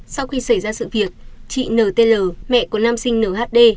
sau khi xảy ra sự việc chị n t l mẹ của nam sinh n h d